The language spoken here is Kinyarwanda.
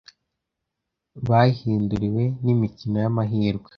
bayihinduriw n’imikino y’amahirwe